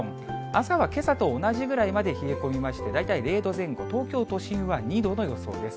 朝はけさと同じぐらいまで冷え込みまして、大体０度前後、東京都心は２度の予想です。